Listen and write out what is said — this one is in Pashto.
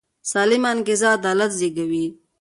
سالمه انګیزه عدالت زېږوي